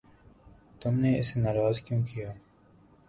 تم نے اسے ناراض کیوں کیا؟